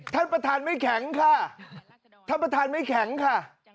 ท่านประธานไม่แข็งค่ะท่านประธานไม่แข็งค่ะ